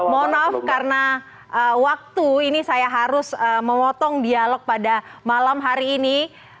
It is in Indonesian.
mohon maaf karena waktu ini saya harus memotong dialog pada malam hari ini